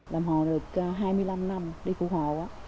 làm hồ được hai mươi năm năm đi phụ hồ á